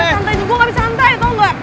santai aja santai gue gak bisa santai tau gak